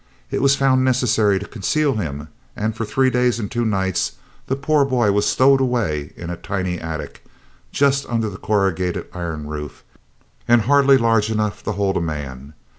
It was found necessary to conceal him, and for three days and two nights the poor boy was stowed away in a tiny attic, just under the corrugated iron roof and hardly large enough to hold a man.